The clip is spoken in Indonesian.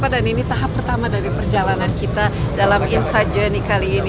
dan ini tahap pertama dari perjalanan kita dalam insadjo ini kali ini